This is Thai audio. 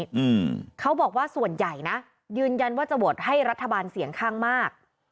อืมเขาบอกว่าส่วนใหญ่นะยืนยันว่าจะโหวตให้รัฐบาลเสียงข้างมาก